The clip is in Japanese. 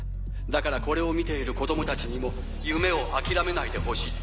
だからこれを見ている子供たちにも夢を諦めないでほしい。